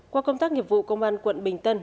qua công tác nghiệp vụ công an quận bình tân